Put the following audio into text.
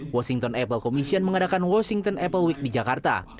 washington apple commission mengadakan washington apple week di jakarta